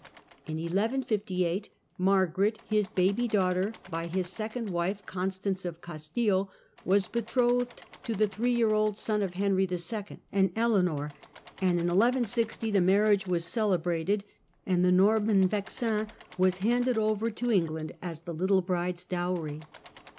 In 1158, Margaret, his baby daughter by his second wife Constance of Castile, was betrothed to the three year old son of Henry 11. and Eleanor, and in 1160 the marriage was celebrated, and the Norman Vexin was handed over to England as the little bride's dowry.